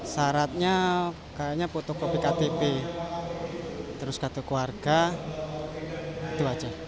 saratnya kayaknya foto kopi ktp terus kata keluarga itu aja